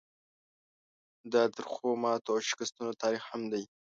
دا د ترخو ماتو او شکستونو تاریخ هم دی.